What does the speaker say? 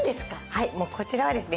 はいもうこちらはですね